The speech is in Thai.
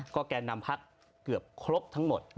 ก็แก่นำพักเกือบครบทั้งหมด